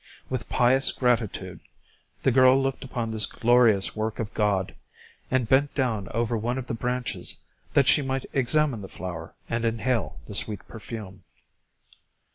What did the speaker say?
With pious gratitude the girl looked upon this glorious work of God, and bent down over one of the branches, that she might examine the flower and inhale the sweet perfume.